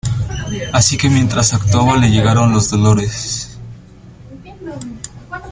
Así que mientras actuaba, le llegaron los dolores.